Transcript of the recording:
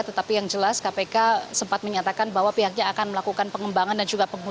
tetapi yang jelas kpk sempat menyatakan bahwa pihaknya akan melakukan pengembangan dan juga pengurusan